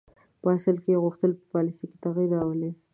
په اصل کې یې غوښتل په پالیسي کې تغییر راولي.